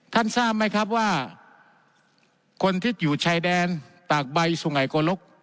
ทราบไหมครับว่าคนที่อยู่ชายแดนตากใบสุไงโกลก